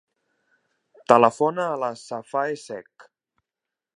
Telefona a la Safae Seck.